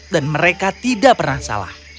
dan mereka tidak pernah salah